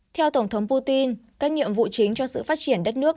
theo tổng thống putin các nhiệm vụ chính cho sự phát triển đất nước